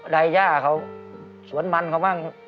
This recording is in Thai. ใดย่าเขาสวนมันเขาบ้าง